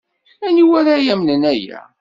Aniwa ara yamnen aya?